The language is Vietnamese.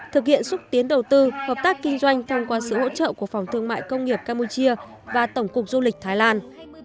thực hiện xúc tiến đầu tư hợp tác kinh doanh thông qua sự hỗ trợ của phòng thương mại công nghiệp campuchia và tổng cục du lịch thái lan